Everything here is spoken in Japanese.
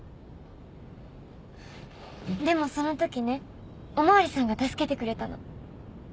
でもそのときねお巡りさんが助けてくれたの。